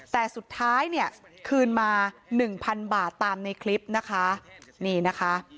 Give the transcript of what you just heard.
แต่สุดท้ายเนี่ยคืนมาหนึ่งพันบาทตามในคลิปนะคะนี่นะคะ